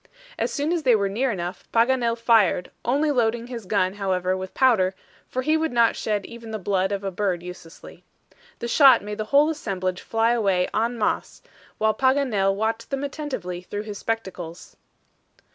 As soon as they were near enough, Paganel fired, only loading his gun, however, with powder, for he would not shed even the blood of a bird uselessly. The shot made the whole assemblage fly away en masse, while Paganel watched them attentively through his spectacles.